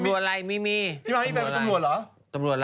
พี่มั๊กให้แปบตำรวจหรอ